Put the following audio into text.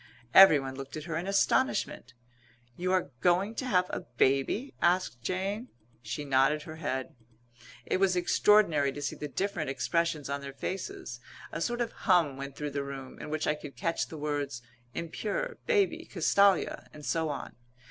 Everyone looked at her in astonishment. "You are going to have a baby?" asked Jane. She nodded her head. It was extraordinary to see the different expressions on their faces. A sort of hum went through the room, in which I could catch the words "impure," "baby," "Castalia," and so on.